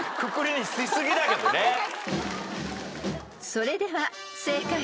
［それでは］